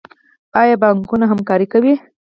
آیا بانکونه همکاري کوي؟